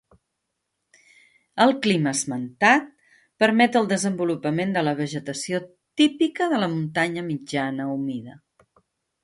El clima esmentat permet el desenvolupament de la vegetació típica de la muntanya mitjana humida.